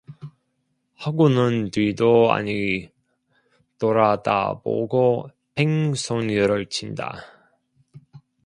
하고는 뒤도 아니 돌아다보고 뺑소니를 친다.